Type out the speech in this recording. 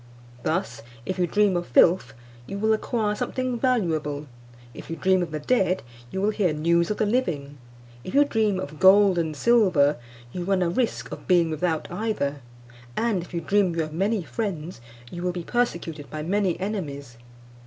Thus, if you dream of filth, you will acquire something valuable; if you dream of the dead, you will hear news of the living; if you dream of gold and silver, you run a risk of being without either; and if you dream you have many friends, you will be persecuted by many enemies.